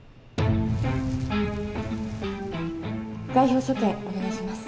外表所見お願いします。